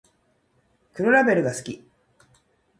黒ラベルが好き